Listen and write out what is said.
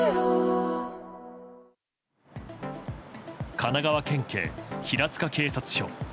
神奈川県警平塚警察署。